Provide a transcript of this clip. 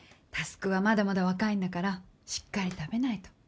匡はまだまだ若いんだからしっかり食べないと。